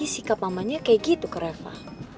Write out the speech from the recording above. sikap mamanya kayak gitu ke reva